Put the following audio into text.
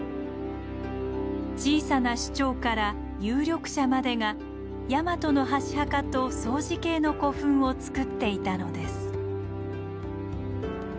小さな首長から有力者までがヤマトの箸墓と相似形の古墳をつくっていたのです。